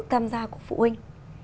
tham gia của phụ huynh